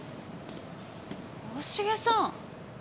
大重さん！